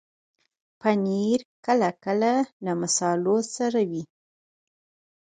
پنېر کله کله له مصالحو سره وي.